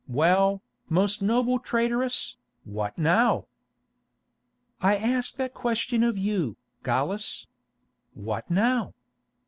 Well, most noble traitress, what now?" "I ask that question of you, Gallus. What now?